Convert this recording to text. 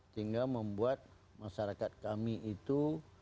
sehingga membuat masyarakat kami itu